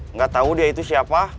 nggak tahu dia itu siapa